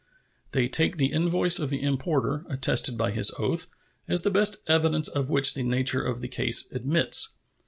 They take the invoice of the importer, attested by his oath, as the best evidence of which the nature of the case admits.